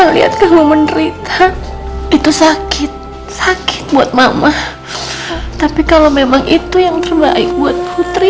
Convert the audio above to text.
lihat kamu menderita itu sakit sakit buat mama tapi kalau memang itu yang terbaik buat putri